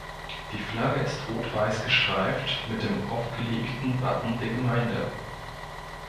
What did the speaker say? Die Flagge ist Rot-Weiß gestreift mit dem aufgelegten Wappen der Gemeinde.